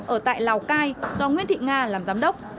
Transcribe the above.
ở tại lào cai do nguyễn thị nga làm giám đốc